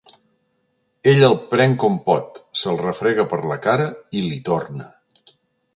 Ell el pren com pot, se'l refrega per la cara i l'hi torna.